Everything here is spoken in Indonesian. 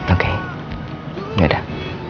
oke ya udah